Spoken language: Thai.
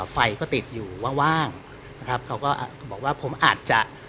ไฟก็ติดอยู่ว่างนะครับเขาก็บอกว่าผมอาจจะ